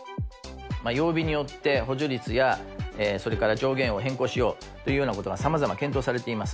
曜日によって補助率やそれから上限を変更しようというようなことがさまざま検討されています。